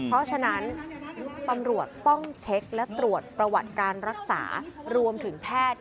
เพราะฉะนั้นตำรวจต้องเช็คและตรวจประวัติการรักษารวมถึงแพทย์